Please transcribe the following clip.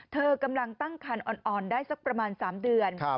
เธอกำลังตั้งคันอ่อนได้สักประมาณ๓เดือน